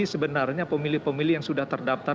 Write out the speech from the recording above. sebenarnya pemilih pemilih yang sudah terdaftar